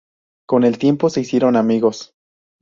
Con el tiempo se hicieron amigos.